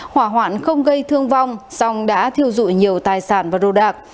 hỏa hoạn không gây thương vong song đã thiêu dụi nhiều tài sản và đồ đạc